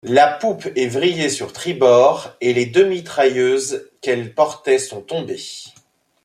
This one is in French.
La poupe est vrillée sur tribord et les deux mitrailleuses qu’elle portait sont tombées.